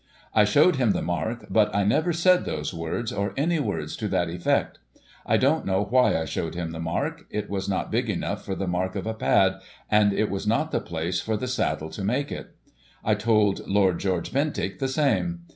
I showed him the mark, but I never said those words, or any words to that effect. I don't know why I showed him the mark. It was not big enough for the mark of a pad, and it was not the place for the saddle to make it, I told Lord George Bentinck the same.